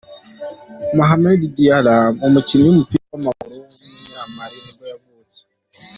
Mahamadou Diarra, umukinnyi w’umupira w’amaguru w’umunya-Mali nibwo yavutse.